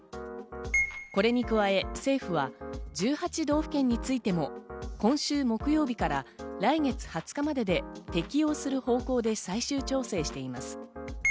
これに加え政府は１８道府県についても今週木曜日から来月２０日までで適用する方向で最終調整しています。